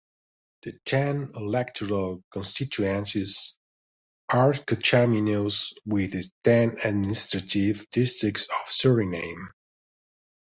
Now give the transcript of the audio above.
The ten electoral constituencies are coterminous with the ten administrative districts of Suriname.